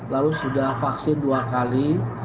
lalu sudah vaksin dua kali